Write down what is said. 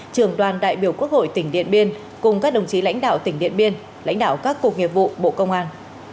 trường đoàn đại biểu quốc hội tỉnh điện biên cùng các đồng chí lãnh đạo tỉnh điện biên lãnh đạo các cục nghiệp vụ bộ công an